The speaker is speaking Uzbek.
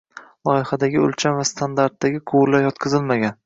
Loyihadagi oʻlcham va standartdagi quvurlar oʻtqazilmagan